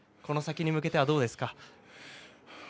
先に向けてどうですか。